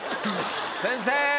先生！